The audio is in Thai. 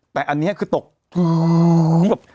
แต่อันนี้คือตกปื๊ด